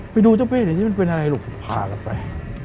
ไปดูเจ้าเป้นี่เป็นอะไรพากับไป